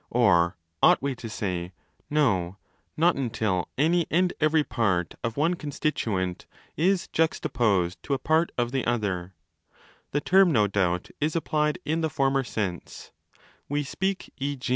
Or ought we to say 'No, not until any and every part of one constituent is juxtaposed to a part of the other'?* The term, no doubt, is applied in the former sense: we speak, e.